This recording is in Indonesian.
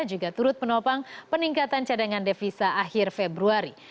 juga turut menopang peningkatan cadangan devisa akhir februari